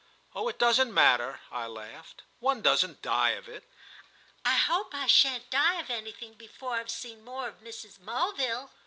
"Oh it doesn't matter!" I laughed; "one doesn't die of it." "I hope I shan't die of anything before I've seen more of Mrs. Mulville."